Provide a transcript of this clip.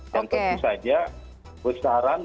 dan tadi saja besaran